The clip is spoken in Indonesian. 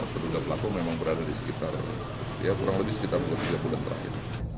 terduga pelaku memang berada di sekitar ya kurang lebih sekitar tiga bulan terakhir